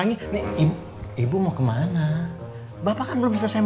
bagaimana sih kita udah bisa diketahui